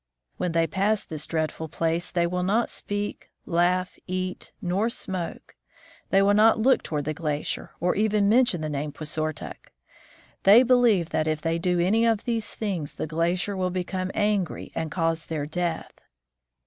When they pass this dreadful place they will not speak, laugh, eat, nor smoke. They will not look toward the gla cier, or even mention the name Puisortok. They believe that if they do any of these things the glacier will become angry and cause their death.